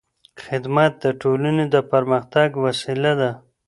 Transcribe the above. خدمت د ټولنې د پرمختګ وسیله ده.